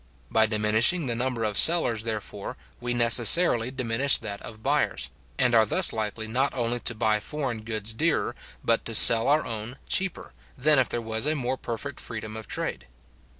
By diminishing the number of sellers, therefore, we necessarily diminish that of buyers, and are thus likely not only to buy foreign goods dearer, but to sell our own cheaper, than if there was a more perfect freedom of trade.